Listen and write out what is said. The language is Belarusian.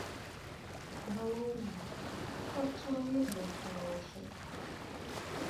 Галоўнае, каб чалавек быў харошы!